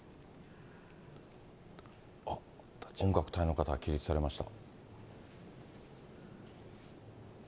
音楽隊の方が起立されました。